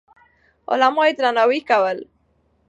علما يې درناوي کول.